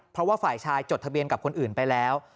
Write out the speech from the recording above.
เพราะว่าฝ่ายชายจดทะเบียนกับคนอื่นไปแล้ว